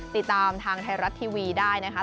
ติดตามทางไทยรัฐทีวีได้นะคะ